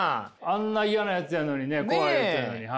あんな嫌なやつやのにね怖いやつやのに。